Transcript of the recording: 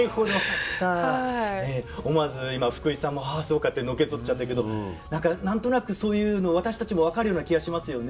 思わず今福井さんもああそうかってのけぞっちゃったけど何か何となくそういうの私たちも分かるような気がしますよね。